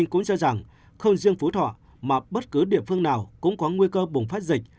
cũng cho rằng không riêng phú thọ mà bất cứ địa phương nào cũng có nguy cơ bùng phát dịch